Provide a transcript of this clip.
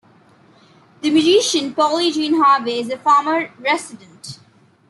The musician Polly Jean Harvey is a former resident.